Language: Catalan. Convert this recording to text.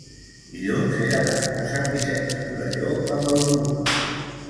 dilluns he d'anar a Sant Vicenç de Torelló amb autobús.